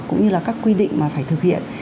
cũng như là các quy định mà phải thực hiện